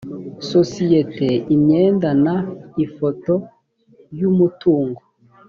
sosiyete imyenda n ifoto y umutungo